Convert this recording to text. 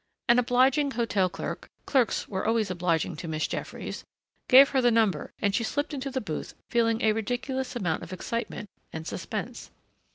An obliging hotel clerk clerks were always obliging to Miss Jeffries gave her the number and she slipped into the booth feeling a ridiculous amount of excitement and suspense.